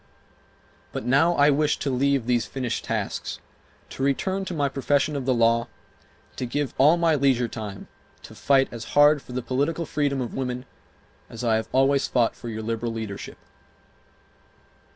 But now I wish to leave these finished tasks, to return to my profession of the law, and to give all my leisure time to fight as hard for the political freedom of women as I have always fought for your liberal leadership.